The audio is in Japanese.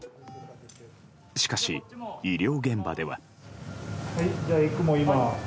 しかし医療現場では。